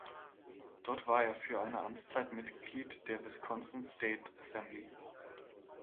Dort war er für eine Amtszeit Mitglied der Wisconsin State Assembly.